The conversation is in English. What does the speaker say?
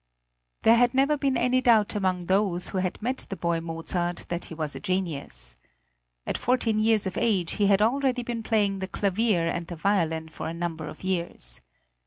There had never been any doubt among those who had met the boy Mozart that he was a genius. At fourteen years of age he had already been playing the clavier and the violin for a number of years.